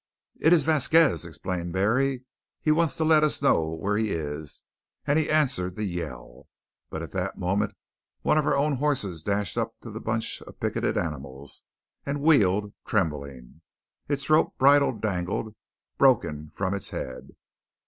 "It is Vasquez," explained Barry. "He wants to let us know where he is," and he answered the yell. But at that moment one of our own horses dashed up to the bunch of picketed animals and wheeled, trembling. Its rope bridle dangled broken from its head.